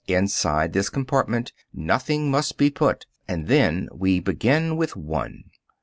Inside this compartment "nothing must be put," and then we begin with one.